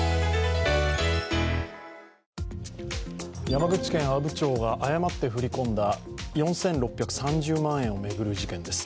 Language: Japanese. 山口県阿武町が誤って振り込んだ４６３０万円を巡る事件です。